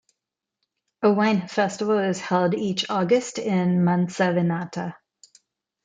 A wine festival is held each August in Mantzavinata.